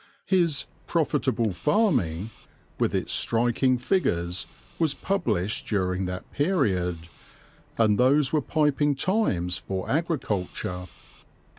His Profitable Farming, with its striking figures, was published during that period, and those were piping times for agriculture.